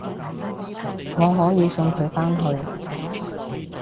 我可以送佢返去